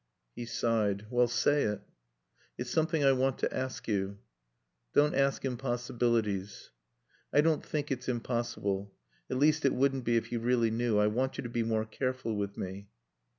He sighed. "Well say it." "It's something I want to ask you." "Don't ask impossibilities." "I don't think it's impossible. At least it wouldn't be if you really knew. I want you to be more careful with me."